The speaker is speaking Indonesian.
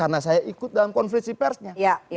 karena saya ikut dalam konflik si persnya